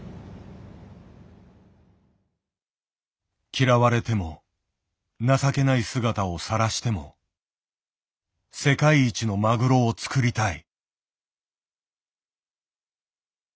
嫌われても情けない姿をさらしても世界一のマグロを作りたい。